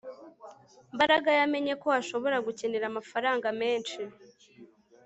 Mbaraga yamenye ko ashobora gukenera amafaranga menshi